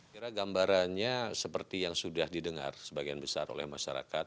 kira gambarannya seperti yang sudah didengar sebagian besar oleh masyarakat